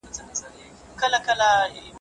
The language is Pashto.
جنګونه د جهالت نښه ده.